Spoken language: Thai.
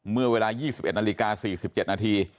เมื่อเวลา๒๑นาฬิกา๔๗นาที